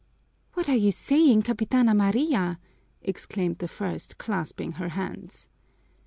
"What are you saying, Capitana Maria!" exclaimed the first, clasping her hands.